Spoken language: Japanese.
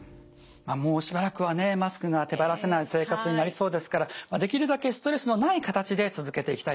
もうしばらくはねマスクが手放せない生活になりそうですからできるだけストレスのない形で続けていきたいですね。